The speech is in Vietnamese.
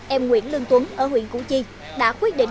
em nguyễn lương tuấn ở huyện củ chi đã quyết định